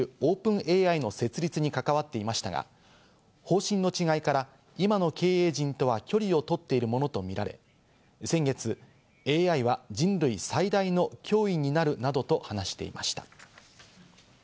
マスク氏はＣｈａｔＧＰＴを開発するＯｐｅｎＡＩの設立に関わっていましたが、方針の違いから今の経営陣とは距離をとっているものとみられ、先月、ＡＩは人類最大の脅威になるなどと話していました。